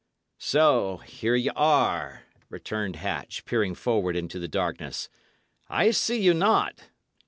"So here ye are," returned Hatch, peering forward into the darkness. "I see you not.